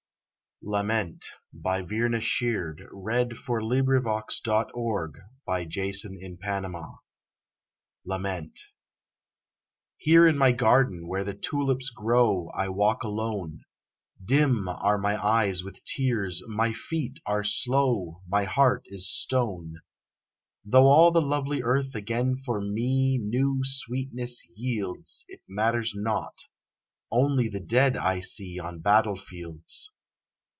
d the price; O show Thy tortured world that not in vain Is sacrifice! LAMENT Here in my garden where the tulips grow I walk alone; Dim are my eyes with tears, my feet are slow My heart is stone; Though all the lovely earth again for me New sweetness yields It matters not, only the dead I see On battlefields.